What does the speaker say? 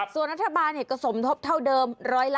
ส่วนนัฐบาลก็สมทบเท่าเดิม๑๐๒๗๕